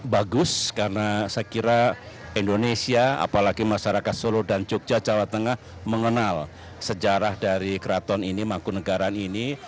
bagus karena saya kira indonesia apalagi masyarakat solo dan jogja jawa tengah mengenal sejarah dari keraton ini mangkunagaran ini